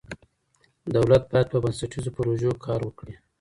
دولت باید په بنسټیزو پروژو کار وکړي.